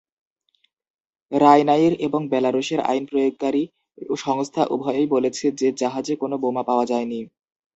রাইনাইর এবং বেলারুশের আইন প্রয়োগকারী সংস্থা উভয়ই বলেছে যে জাহাজে কোন বোমা পাওয়া যায়নি।